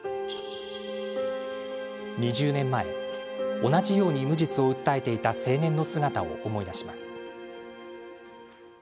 ２０年前、同じように無実を訴えていた青年の姿を思い出します。